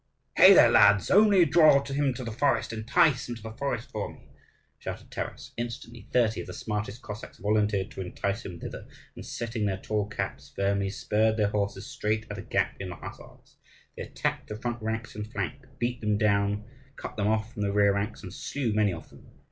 "Hey there, lads! only draw him to the forest, entice him to the forest for me!" shouted Taras. Instantly thirty of the smartest Cossacks volunteered to entice him thither; and setting their tall caps firmly spurred their horses straight at a gap in the hussars. They attacked the front ranks in flank, beat them down, cut them off from the rear ranks, and slew many of them.